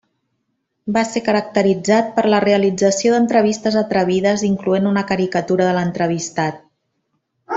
Va ser caracteritzat per la realització d'entrevistes atrevides incloent una caricatura de l'entrevistat.